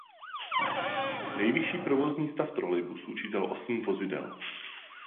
Nejvyšší provozní stav trolejbusů čítal osm vozidel.